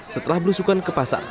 setelah belusukan ke pasar